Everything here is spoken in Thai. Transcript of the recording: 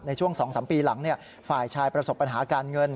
ในช่วง๒๓ปีหลังฝ่ายชายประสบปัญหาการเงิน